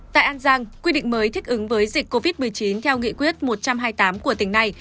tại an giang quy định mới thích ứng với dịch covid một mươi chín theo nghị quyết một trăm hai mươi tám của tỉnh này